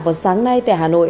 vào sáng nay tại hà nội